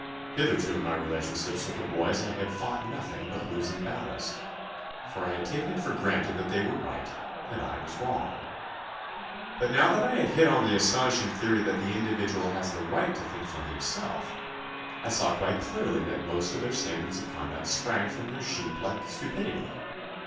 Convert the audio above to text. Hitherto in my relationships with the boys I had fought nothing but losing battles, for I had taken it for granted that they were right and I was wrong. But now that I had hit on the astonishing theory that the individual has the right to think for him self, I saw quite clearly that most of their standards of conduct sprang from their sheep like stupidity.